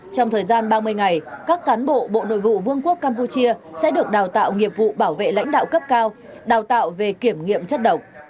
trong thời gian ba mươi ngày các cán bộ bộ nội vụ vương quốc campuchia sẽ được đào tạo nghiệp vụ bảo vệ lãnh đạo cấp cao đào tạo về kiểm nghiệm chất độc